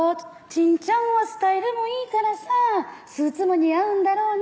「ちんちゃんはスタイルもいいからさスーツも似合うんだろうね」